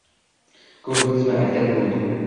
Ko'rdingizmi? Aytganim bo'ldi!